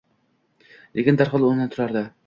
.Lekin darhol o‘rnidan turardi.